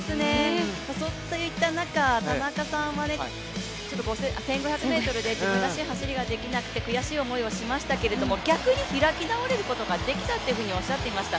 そういった中、田中さんは１５００ｍで自分らしい走りができなくて悔しい思いをしましたけれども、逆に開き直ることができたとおっしゃっていました。